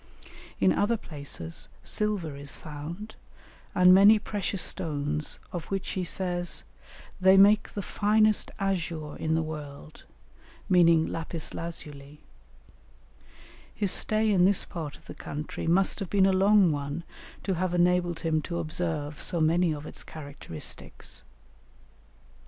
In other places silver is found, and many precious stones, of which he says "they make the finest azure in the world," meaning lapis lazuli; his stay in this part of the country must have been a long one to have enabled him to observe so many of its characteristics.